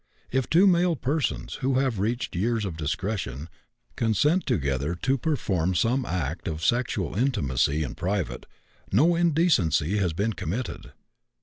If two male persons, who have reached years of discretion, consent together to perform some act of sexual intimacy in private, no indecency has been committed.